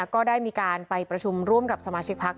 ก็ได้มีการไปประชุมร่วมกับสมาชิกพัก